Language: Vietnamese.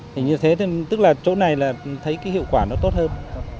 thì như thế tức là chỗ này là thấy cái hiệu quả nó tốt hơn